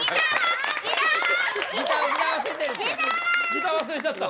ギター忘れちゃった。